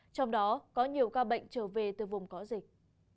trong đó có nhiều ca bệnh trở về từ vùng có dịch